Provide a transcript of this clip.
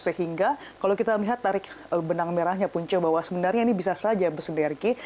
sehingga kalau kita melihat tarik benang merahnya punca bahwa sebenarnya ini bisa saja bersinergi